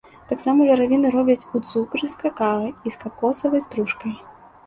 Таксама журавіны робяць у цукры з какава і з какосавай стружкай.